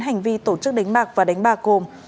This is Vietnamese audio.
hành vi tổ chức đánh bạc và đánh bạc gồm